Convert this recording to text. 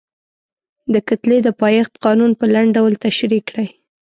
د کتلې د پایښت قانون په لنډ ډول تشریح کړئ.